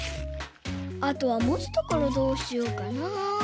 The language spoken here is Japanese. あとはもつところどうしようかな？